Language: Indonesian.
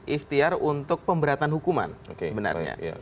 ikhtiar untuk pemberatan hukuman sebenarnya